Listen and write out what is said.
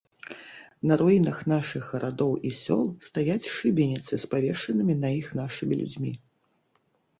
На руінах нашых гарадоў і сёл стаяць шыбеніцы з павешанымі на іх нашымі людзьмі.